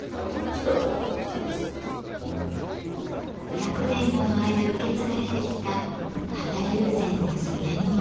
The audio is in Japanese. １００年もの間受け継がれてきた型友禅の染めの技。